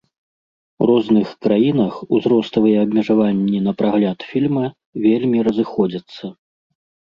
У розных краінах узроставыя абмежаванні на прагляд фільма вельмі разыходзяцца.